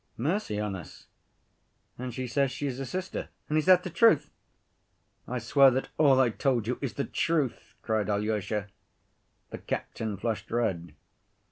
Mercy on us! And she says she is a sister.... And is that the truth?" "I swear that all I told you is the truth," cried Alyosha. The captain flushed red.